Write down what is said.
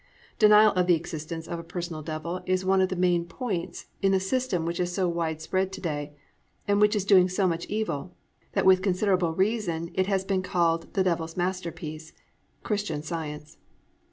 Denial of the existence of a personal Devil is one of the main points in the system which is so widespread to day, and which is doing so much evil, that with considerable reason it has been called "The Devil's Masterpiece"—Christian Science.